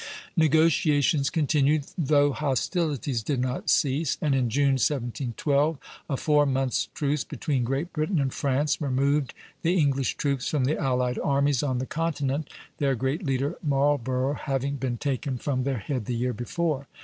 Negotiations continued, though hostilities did not cease; and in June, 1712, a four months' truce between Great Britain and France removed the English troops from the allied armies on the continent, their great leader Marlborough having been taken from their head the year before.